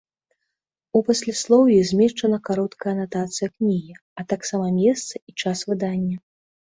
У пасляслоўі змешчана кароткая анатацыя кнігі, а таксама месца і час выдання.